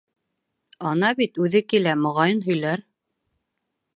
— Ана бит үҙе килә, моғайын, һөйләр.